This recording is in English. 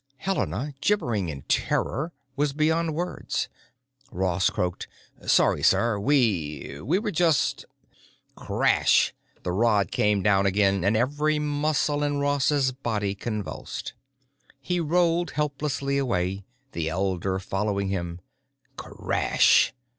Helena, gibbering in terror, was beyond words. Ross croaked, "Sorry, sir. We—we were just——" Crash! The rod came down again, and every muscle in Ross's body convulsed. He rolled helplessly away, the elder following him. Crash!